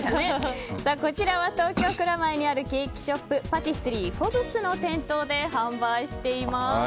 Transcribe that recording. こちらは東京・蔵前にあるケーキショップパティスリーフォブスの店頭で販売しています。